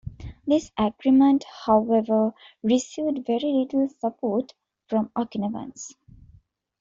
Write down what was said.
This agreement, however, received very little support from Okinawans.